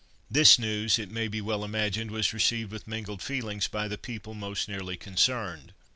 This news, it may well be imagined, was received with mingled feelings by the people most nearly concerned.